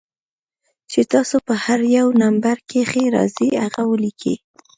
چې تاسو پۀ هر يو نمبر کښې راځئ هغه وليکئ